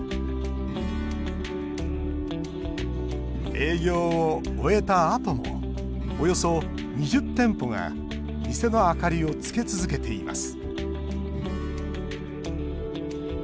営業を終えたあともおよそ２０店舗が店の明かりをつけ続けています